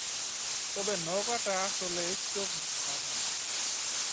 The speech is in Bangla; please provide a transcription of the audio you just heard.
তবে, নৌকাটা আসলেই চোখধাঁধানো!